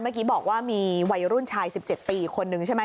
เมื่อกี้บอกว่ามีวัยรุ่นชาย๑๗ปีอีกคนนึงใช่ไหม